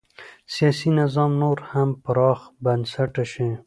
سیاسي نظام نور هم پراخ بنسټه شي.